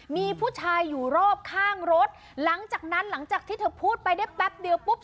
มีผู้ชายอยู่รอบข้างรถหลังจากนั้นหลังจากที่เธอพูดไปได้แป๊บเดียวปุ๊บ